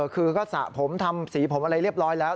คือก็สระผมทำสีผมอะไรเรียบร้อยแล้ว